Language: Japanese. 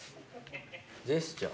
ジェスチャー？